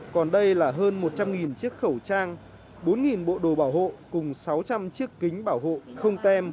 còn đây là hơn một trăm linh chiếc khẩu trang bốn bộ đồ bảo hộ cùng sáu trăm linh chiếc kính bảo hộ không tem